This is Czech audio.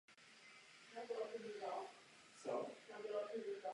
I my sdílíme názor, že jejich potenciál není plně rozvinut.